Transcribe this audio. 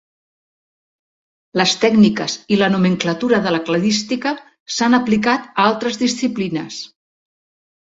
Les tècniques i la nomenclatura de la cladística s'han aplicat a altres disciplines.